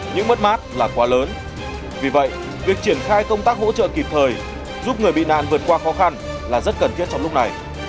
những mất mát là quá lớn vì vậy việc triển khai công tác hỗ trợ kịp thời giúp người bị nạn vượt qua khó khăn là rất cần thiết trong lúc này